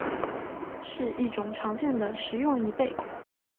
是一种常见的食用贻贝。